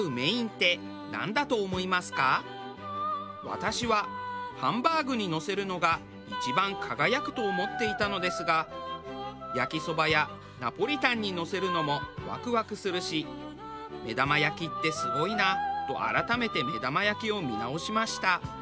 私はハンバーグにのせるのが一番輝くと思っていたのですが焼きそばやナポリタンにのせるのもワクワクするし目玉焼きってすごいなと改めて目玉焼きを見直しました。